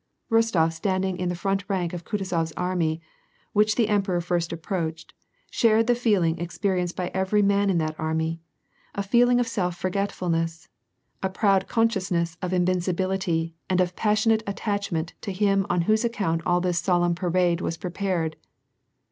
" Rostof standing in the front rank of Kutuzof s army, which the emperor first approached, shared the feeling 'experienced by every man in that army, a feeling of self forgetfulness, a proud consciousness of invincibility and of passionate attach ment to him on whose account all this solemn parade was pre pared.